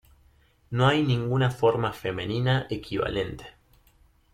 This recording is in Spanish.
No hay ninguna forma femenina equivalente.